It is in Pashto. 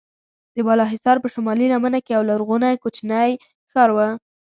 د بالاحصار په شمالي لمنه کې یو لرغونی کوچنی ښار و.